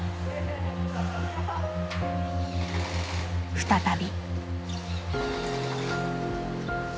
再び。